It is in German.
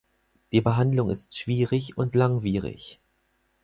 Die Behandlung ist schwierig und langwierig.